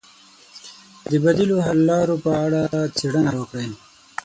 د بدیلو حل لارو په اړه څېړنه وکړئ.